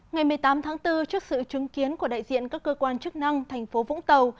ngày một mươi tám tháng bốn trước sự chứng kiến của đại diện các cơ quan chức năng thành phố vũng tàu